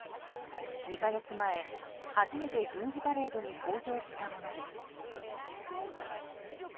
２か月前、初めて軍事パレードに登場したものです。